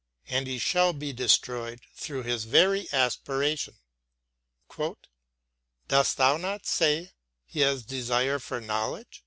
And he shall be destroyed through his very aspiration. "Didst thou not say, he has desire for knowledge?